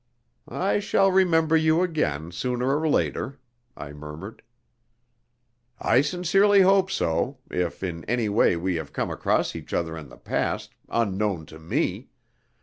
"I shall remember you again, sooner or later," I murmured. "I sincerely hope so, if in any way we have come across each other in the past, unknown to me.